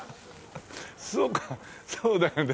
そうかそうだよね。